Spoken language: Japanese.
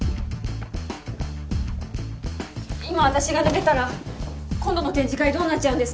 今私が抜けたら今度の展示会どうなっちゃうんですか？